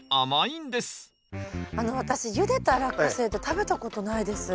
あの私ゆでたラッカセイって食べたことないです。